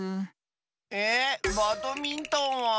えっバドミントンは？